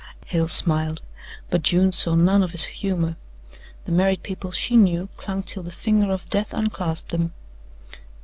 Hale smiled, but June saw none of his humour the married people she knew clung till the finger of death unclasped them.